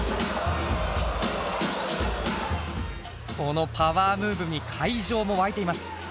このパワームーブに会場も沸いています。